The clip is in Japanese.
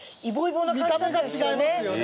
見た目が違いますよね。